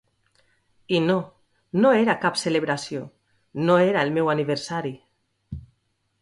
I no, no era cap celebració; no era el meu aniversari...